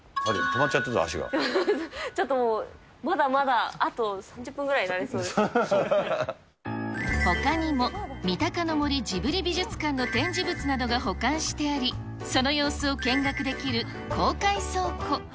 ちょっともう、まだまだあとほかにも、三鷹の森ジブリ美術館の展示物などが保管してあり、その様子を見学できる公開倉庫。